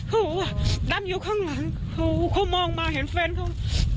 คือบอกว่าด้ำอยู่ข้างหลังคือคุณมองมาเห็นเฟนเขา